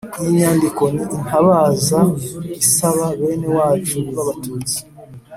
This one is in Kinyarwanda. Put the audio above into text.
Iyi nyandiko ni intabaza isaba bene wacu b'Abatutsi,